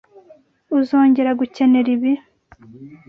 Uzongera gukenera ibi.